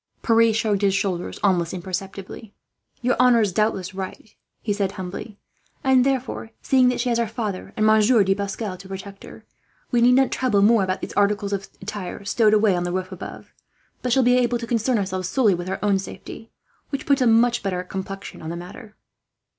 Pierre shrugged his shoulders almost imperceptibly. "Your honour is doubtless right," he said humbly; "and therefore, seeing that she has her father and Monsieur de Pascal to protect her, we need not trouble more about those articles of attire stowed away on the roof above; but shall be able to concern ourselves solely with our own safety, which puts a much better complexion on the affair."